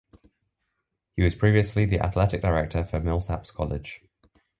He was previously the athletic director for Millsaps College.